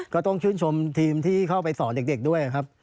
ก็ต้องชื่นชมทีมที่เข้าไปสอนเด็กด้วยครับ